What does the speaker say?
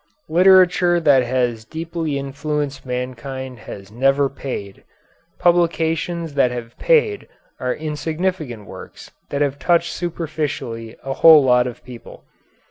Literature that has deeply influenced mankind has never paid. Publications that have paid are insignificant works that have touched superficially a whole lot of people.